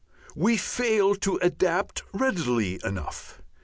We fail to adapt readily enough.